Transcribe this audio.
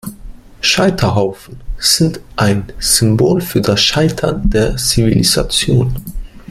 Scheiterhaufen sind ein Symbol für das Scheitern der Zivilisation.